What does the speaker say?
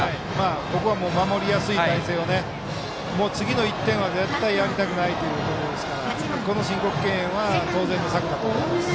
ここは守りやすい態勢を次の１点は絶対にやりたくないということですからこの申告敬遠は当然の策だと思います。